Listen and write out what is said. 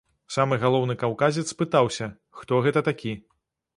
Самы галоўны каўказец спытаўся, хто гэта такі.